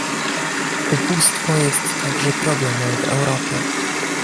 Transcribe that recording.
Ubóstwo jest także problemem w Europie